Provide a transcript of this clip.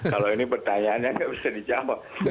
kalau ini pertanyaannya nggak bisa dijawab